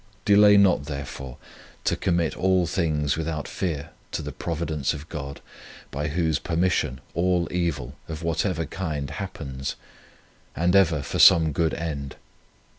1 2 Tim. ii. 19. 108 The Providence of God Delay not, therefore, to commit all things without fear to the Providence of God, by Whose permission all evil of whatever kind happens, and ever for some good end.